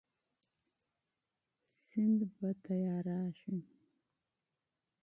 سند به چمتو کیږي.